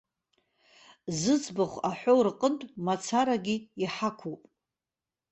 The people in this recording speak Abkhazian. Зыӡбахә аҳәо рҟнытә мацарагьы иҳақуп.